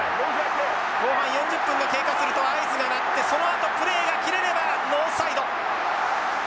後半４０分が経過すると合図が鳴ってそのあとプレーが切れればノーサイド。